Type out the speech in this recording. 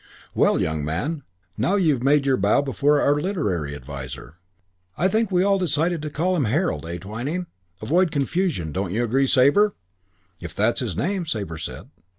"Well, young man, now you've made your bow before our literary adviser. I think we decided to call him Harold, eh, Twyning? Avoid confusion, don't you agree, Sabre?" "If that's his name," Sabre said.